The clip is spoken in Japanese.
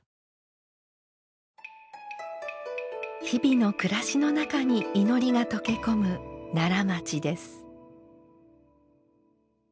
日々の暮らしの中に祈りが溶け込む奈良町です。